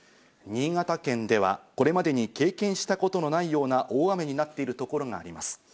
新潟県ではこれまでに経験したことのないような大雨になっているところがあります。